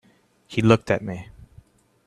He looked at me.